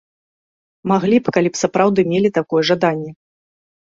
Маглі б, калі б сапраўды мелі такое жаданне.